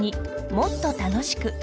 「もっと楽しく」